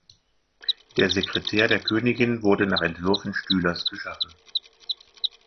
Der Sekretär der Königin wurde nach Entwürfen Stülers geschaffen.